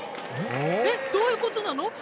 えっどういうことなの？